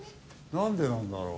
なんでなんだろう？